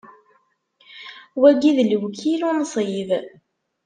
Wagi d lewkil unṣiḥ.